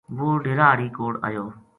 وہ ڈیرا ہاڑی کوڑ ایو